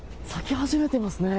咲き始めています。